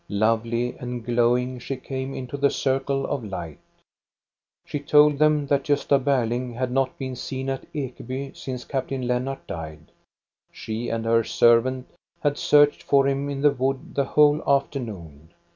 Lovely and glowing, she came into the circle of light. She told them that Gosta Berling had not been seen at Ekeby since Captain Lennart died. She and her servant had searched for him in the wood the whole afternoon.